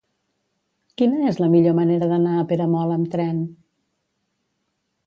Quina és la millor manera d'anar a Peramola amb tren?